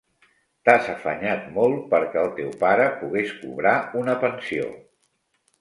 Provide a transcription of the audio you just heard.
T'has afanyat molt perquè el teu pare pogués cobrar una pensió.